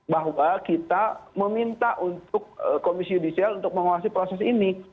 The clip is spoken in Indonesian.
bahwa kita meminta untuk komisi judisial untuk mengawasi proses ini